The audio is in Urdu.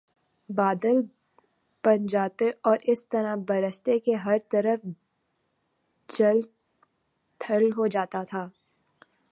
بادل بن جاتے اور اس طرح برستے کہ ہر طرف جل تھل ہو جاتا تھا